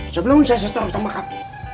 sebelum saya setuh sama kap